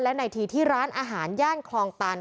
และในทีที่ร้านอาหารย่านคลองตัน